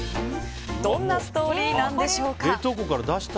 どんなストーリーなんでしょうか。